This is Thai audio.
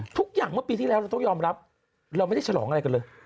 ทุกอย่างเมื่อปีที่แล้วเราต้องยอมรับเราไม่ได้ฉลองอะไรกันเลย